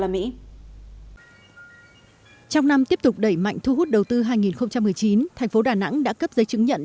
trong năm tiếp tục đẩy mạnh thu hút đầu tư hai nghìn một mươi chín thành phố đà nẵng đã cấp giấy chứng nhận